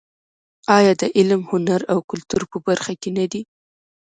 آیا د علم، هنر او کلتور په برخه کې نه دی؟